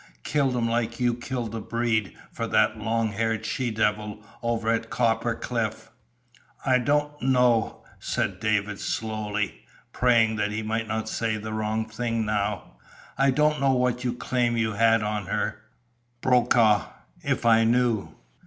"Killed him like you killed the Breed for that long haired she devil over at Copper Cliff!" "I don't know," said David, slowly, praying that he might not say the wrong thing now. "I don't know what claim you had on her, Brokaw. If I knew...."